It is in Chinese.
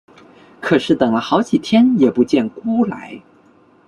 可是等了好几天也不见辜来。